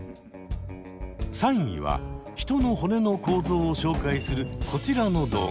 ３位は人の骨の構造を紹介するこちらの動画。